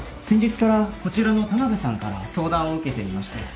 先日からこちらの田辺さんから相談を受けていまして。